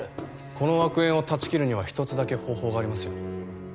この悪縁を絶ち切るには一つだけ方法がありますよ。